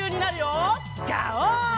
ガオー！